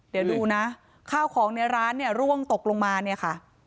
เดี๋ยวดูนะข้าวของในร้านเนี่ยร่วงตกลงมาเนี่ยค่ะ